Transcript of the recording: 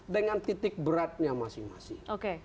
dengan titik beratnya masing masing